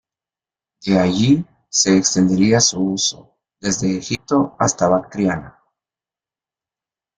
De allí se extendería su uso, desde Egipto hasta Bactriana.